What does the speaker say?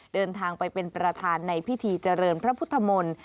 เดินทางไปเป็นประธานในพิธีเจริญพระพุทธมนตร์